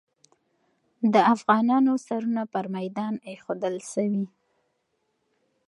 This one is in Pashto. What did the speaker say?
د افغانانو سرونه پر میدان ایښودل سوي.